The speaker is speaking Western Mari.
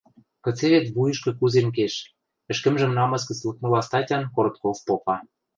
Кыце вет вуйышкы кузен кеш, – ӹшкӹмжӹм намыс гӹц лыкмыла статян Коротков попа.